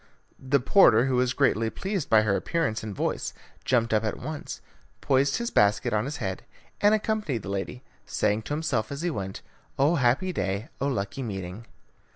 The porter, who was greatly pleased by her appearance and voice, jumped up at once, poised his basket on his head, and accompanied the lady, saying to himself as he went, "Oh, happy day! Oh, lucky meeting!"